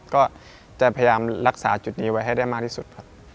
ก็จะพยายามรักษาจุดนี้ไว้ให้ได้มากที่สุดครับ